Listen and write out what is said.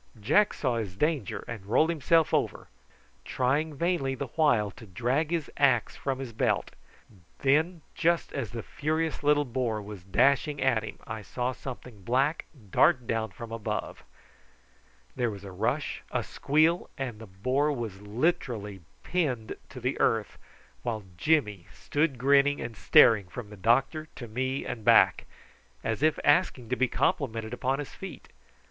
Jack saw his danger and rolled himself over, trying vainly the while to drag his axe from his belt. Then just as the furious little boar was dashing at him, I saw something black dart down from above; there was a rush, a squeal, and the boar was literally pinned to the earth, while Jimmy stood grinning and staring from the doctor to me and back, as if asking to be complimented upon his feat.